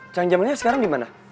cang jamalnya sekarang dimana